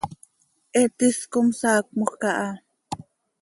He tis com saacmoj caha.